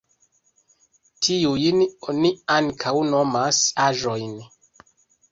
Tiujn oni ankaŭ nomas aĵojn.